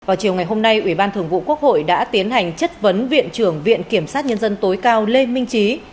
vào chiều ngày hôm nay ủy ban thường vụ quốc hội đã tiến hành chất vấn viện trưởng viện kiểm sát nhân dân tối cao lê minh trí